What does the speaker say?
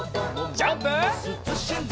ジャンプ！